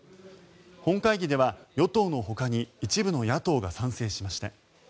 本会議では与党のほかに一部の野党が賛成しました。